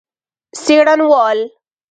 څېړنوال